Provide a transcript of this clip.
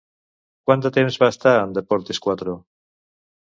Quant de temps va estar en Deportes Cuatro?